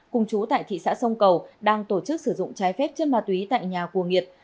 cùng chú tại thị xã sông cầu đang tổ chức sử dụng trái phép chân ma túy tại nhà cùa nhiệt